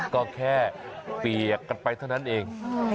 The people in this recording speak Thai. ก็แค่เปียกกันไปเท่านั้นเอง